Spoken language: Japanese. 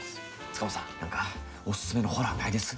塚本さん何かおすすめのホラーないです？